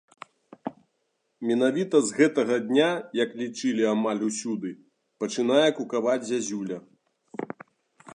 Менавіта з гэтага дня, як лічылі амаль усюды, пачынае кукаваць зязюля.